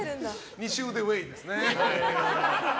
２周でウェーイですね。